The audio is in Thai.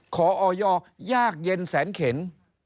ออยยากเย็นแสนเข็น